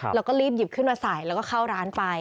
แล้วก็รีบหยิบขึ้นมาใส่แล้วก็เข้าร้านไป